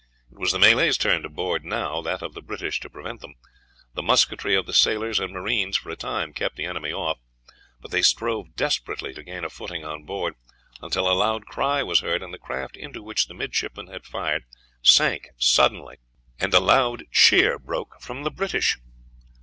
It was the Malays' turn to board now, that of the British to prevent them; the musketry of the sailors and marines for a time kept the enemy off, but they strove desperately to gain a footing on board, until a loud cry was heard, and the craft into which the midshipmen had fired sank suddenly, and a loud cheer broke from the British.